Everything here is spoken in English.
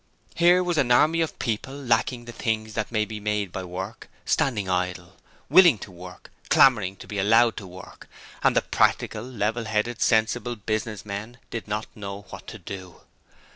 Here was an army of people lacking the things that may be made by work, standing idle. Willing to work; clamouring to be allowed to work, and the Practical, Level headed, Sensible Business men did not know what to do!